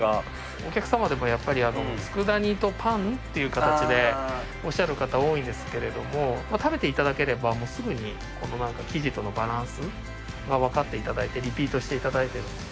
お客様でもやっぱり佃煮とパン？っていう形でおっしゃる方多いんですけれども食べていただければもうすぐに生地とのバランスがわかっていただいてリピートしていただいてる。